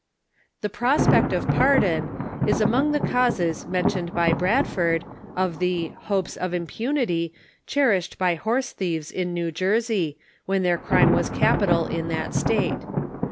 *• The prospect of pardon" is among the causes mentioned by Bradford, of the «• hopes of impunily" cherished by horse tJiieves in New Jersey, when their crime was capital in that State.